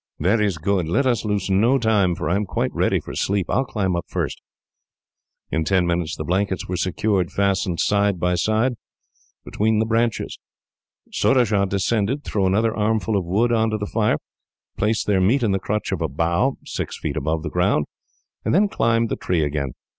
"That is good. Let us lose no time, for I am quite ready for sleep. I will climb up first." In ten minutes, the blankets were securely fastened side by side, between the branches. Surajah descended, threw another armful of wood on to the fire, placed their meat in the crutch of a bough, six feet above the ground, and then climbed the tree again.